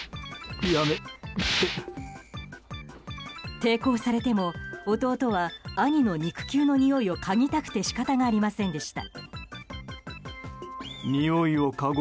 抵抗されても弟は兄の肉球のにおいをかぎたくて仕方がありませんでした。